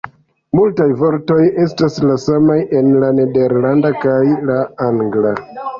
Multaj vortoj estas la samaj en la nederlanda kaj la angla.